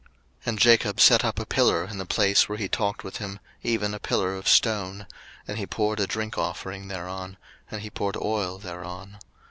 01:035:014 And Jacob set up a pillar in the place where he talked with him, even a pillar of stone: and he poured a drink offering thereon, and he poured oil thereon.